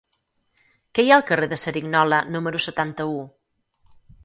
Què hi ha al carrer de Cerignola número setanta-u?